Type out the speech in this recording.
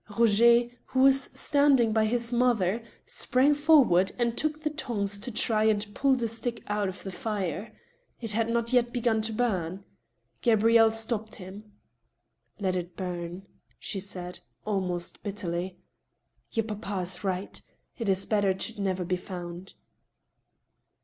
Roger, who was standing by his mother, sprang forward, and took the tongs to try and pull the stick out of the fire. It had not yet begun to bum. Gabrielle stopped him. " Let it bum," she said, almost bitteriy. " Your papa is right. It is better it should never be found."